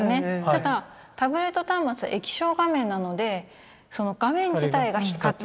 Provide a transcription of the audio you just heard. ただタブレット端末は液晶画面なのでその画面自体が光っている。